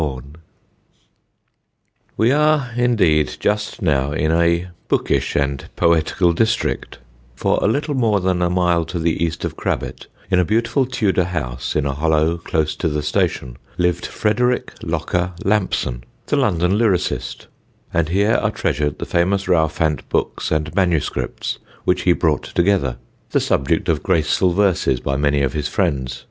[Sidenote: THE ROWFANT BOOKS] We are indeed just now in a bookish and poetical district, for a little more than a mile to the east of Crabbet, in a beautiful Tudor house in a hollow close to the station, lived Frederick Locker Lampson, the London lyricist; and here are treasured the famous Rowfant books and manuscripts which he brought together the subject of graceful verses by many of his friends.